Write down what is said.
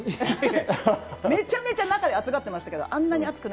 めちゃめちゃ熱がってましたけど。